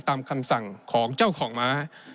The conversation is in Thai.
คำสั่งของเจ้าของม้า